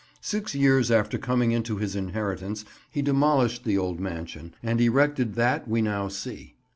Six years after coming into his inheritance he demolished the old mansion and erected that we now see.